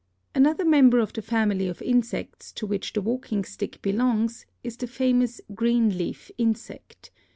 Another member of the family of insects to which the walking stick belongs is the famous green leaf insect.